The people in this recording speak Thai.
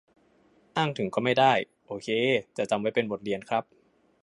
อ้างถึงก็ไม่ได้ โอเค จะจำไว้เป็นบทเรียนครับ